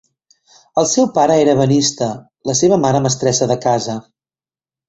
El seu pare era ebenista, la seva mare mestressa de casa.